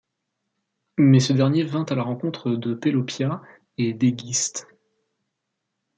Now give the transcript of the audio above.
Mais ce dernier vint à la rencontre de Pélopia et d'Égisthe.